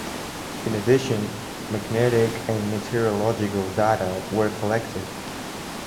In addition, magnetic and meteorological data were collected.